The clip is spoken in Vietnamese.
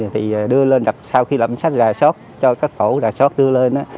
thì đưa lên sau khi làm sách rà sót cho các tổ rà sót đưa lên